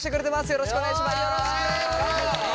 よろしくお願いします。